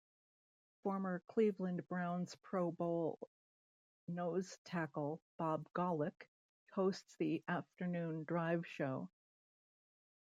Former Cleveland Browns Pro Bowl nose tackle Bob Golic hosts the afternoon drive show.